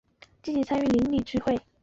积极参与邻里聚会